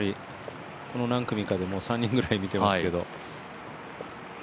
この何組かで３人ぐらい見てますけど。